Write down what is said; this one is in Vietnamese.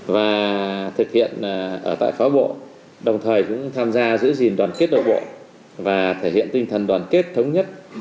và thực hiện ở tại phái bộ đồng thời cũng tham gia giữ gìn đoàn kết đội bộ và thể hiện tinh thần đoàn kết thống nhất